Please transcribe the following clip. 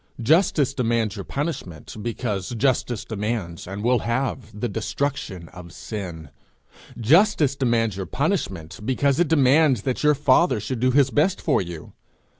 Justice demands your punishment, because justice demands, and will have, the destruction of sin. Justice demands your punishment because it demands that your father should do his best for you.